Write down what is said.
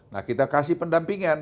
nah kita kasih pendampingan